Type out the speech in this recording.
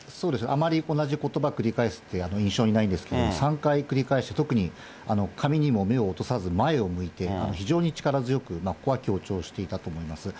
あまり同じことば繰り返すって、印象にないんですけど、３回繰り返して、特に紙にも目を落とさず、前を向いて、非常に力強く、ここは強調していたと思います。